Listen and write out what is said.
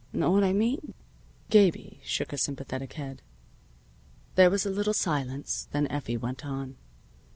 Know what I mean?" Gabie shook a sympathetic head. There was a little silence. Then Effie went on.